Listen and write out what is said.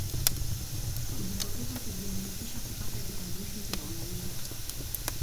kujitokeza kujiandikisha kupata vitambulisho vya uraia